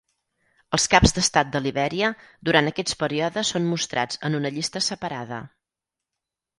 Els caps d'estat de Libèria Durant aquests períodes són mostrats en una llista separada.